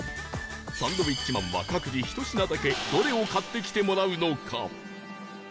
サンドウィッチマンは各自１品だけどれを買ってきてもらうのか？